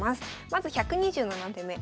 まず１２７手目。